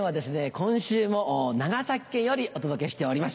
今週も長崎県よりお届けしております。